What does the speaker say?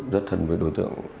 rất thân với đối tượng